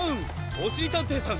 おしりたんていさん！